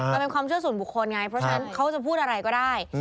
มันเป็นความเชื่อส่วนบุคคลไงเพราะฉะนั้นเขาจะพูดอะไรก็ได้